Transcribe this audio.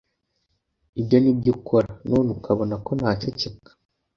ibyo ni byo ukora, none ukabona ko naceceka